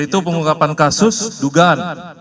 itu pengungkapan kasus dugaan